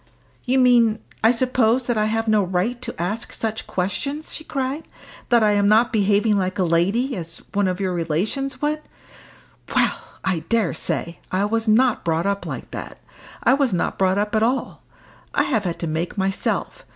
"You mean, I suppose, that I have no right to ask such questions!" she cried; "that I am not behaving like a lady as one of your relations would? Well, I dare say! I was not brought up like that. I was not brought up at all; I have had to make myself.